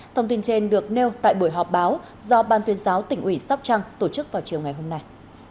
thông tin trên được nêu tại buổi họp báo do ban tuyên giáo tỉnh ủy sóc trăng tổ chức vào chiều ngày hôm nay